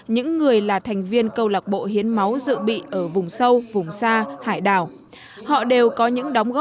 những người là thành viên cộng đồng những người là thành viên cộng đồng